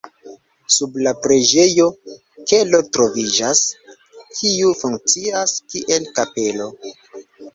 Sub la preĝejo kelo troviĝas, kiu funkcias, kiel kapelo.